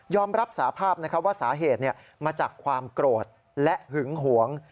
รับสาภาพว่าสาเหตุมาจากความโกรธและหึงหวง